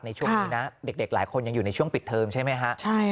ในช่วงนี้นะเด็กหลายคนยังอยู่ในช่วงปิดเทอมใช่ไหมฮะ